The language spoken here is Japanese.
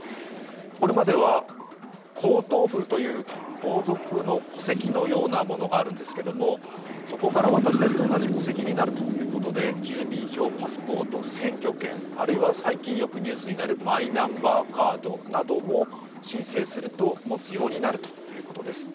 これまでは皇統譜という皇族の戸籍のようなものがあるんですが、そこから私たちと同じ戸籍になるということで住民票、パスポート、選挙権、あるいは最近よくニュースになるマイナンバーカードなども申請すると持つようになるということです。